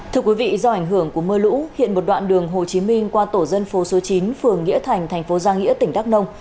thưa quý vị do ảnh hưởng của mưa lũ hiện một đoạn đường hồ chí minh qua tổ dân phố số chín phường nghĩa thành thành phố giang nghĩa tỉnh đắk nông